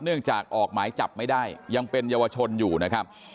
เนื่องจากออกหมายจับไม่ได้ยังเป็นเยาวชนอยู่นะครับ